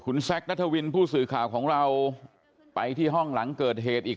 คุณแซคนัทวินผู้สื่อข่าวของเราไปที่ห้องหลังเกิดเหตุอีก